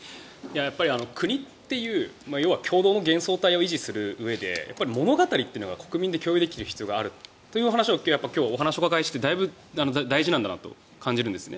国という要は共同の幻想体を維持するうえで物語っていうのが国民の間で共通できる必要があるということを今日お話をお伺いしてだいぶ大事なんだなと感じます。